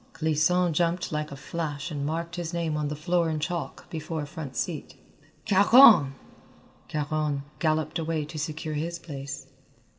Clisson jumped like a flash and marked his name on the floor in chalk before a front seat. "Caron!" Caron galloped away to secure his place.